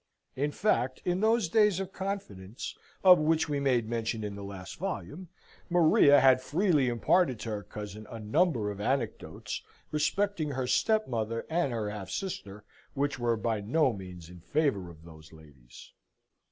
In fact, in those days of confidence, of which we made mention in the last volume, Maria had freely imparted to her cousin a number of anecdotes respecting her stepmother and her half sister, which were by no means in favour of those ladies.